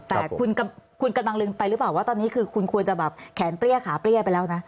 แต่คุณกำลังลืมไปหรือเปล่าว่าตอนนี้คือคุณควรจะแบบแขนเปรี้ยขาเปรี้ยไปแล้วนะ